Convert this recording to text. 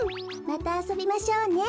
またあそびましょうね。